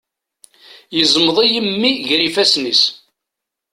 Yeẓmeḍ-iyi mmi ger ifassen-is.